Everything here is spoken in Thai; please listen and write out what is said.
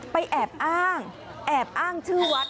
แอบอ้างแอบอ้างชื่อวัด